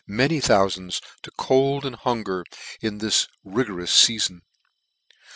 many thoufand s to cold and hunger in this rigo rous feafon.